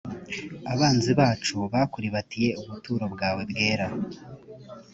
abanzi bacu bakuribatiye ubuturo bwawe bwera